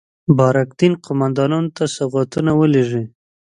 بارک دین قوماندانانو ته سوغاتونه ولېږي.